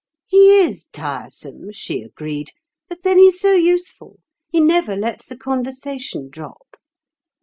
'He is tiresome,' she agreed, 'but then he's so useful. He never lets the conversation drop.